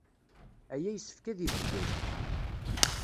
Aya yessefk ad ibeddel.